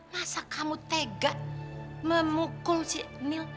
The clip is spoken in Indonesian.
masa kamu tega memukul si mil